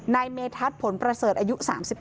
ในเมทัศน์ผลประเสริฐอายุ๓๑